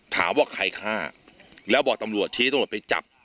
ถามว่าใครฆ่าแล้วบอกตำรวจชี้ให้ตำรวจไปจับ